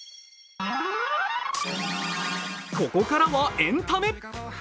ここからはエンタメ。